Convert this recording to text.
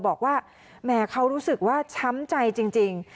บอกว่าแหมเขารู้สึกว่าช้ำใจจริง